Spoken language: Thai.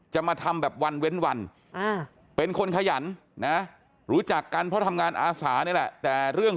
จะมาถามแบบวันเว้นเป็นคนขยัลรู้จักกันเพราะทำงานอาสานี่แหละ